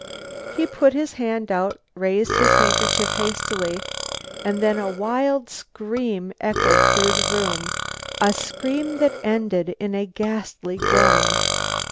He put his hand out, raised his handkerchief hastily and then a wild scream echoed through the room, a scream that ended in a ghastly groan.